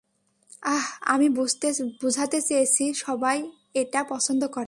আহ, আমি বুঝাতে চেয়েছি, সবাই এটা পছন্দ করে।